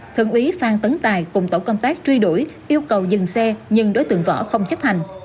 thượng úy phan tấn tài cùng tổ công tác truy đuổi yêu cầu dừng xe nhưng đối tượng võ không chấp hành